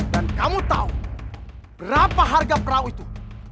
dan kamu tau berapa harga perahu itu